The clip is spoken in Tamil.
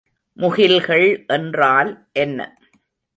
முகில்கள் என்றால் என்ன?